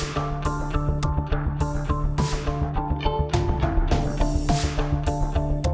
padahal sebelumnya belum pernah kayak begini pak